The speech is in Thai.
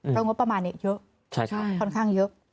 เพราะงบประมาณนี้เยอะค่อนข้างเยอะ